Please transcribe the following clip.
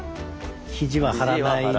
肘は張らないで。